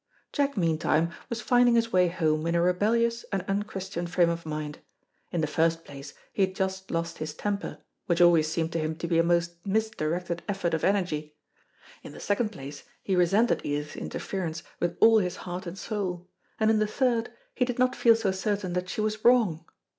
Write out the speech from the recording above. Jack meantime was finding his way home in a rebellious and unchristian frame of mind. In the first place, he had just lost his temper, which always seemed to him to be a most misdirected effort of energy; in the second place, he resented Edith's interference with all his heart and soul; and in the third, he did not feel so certain that she was wrong.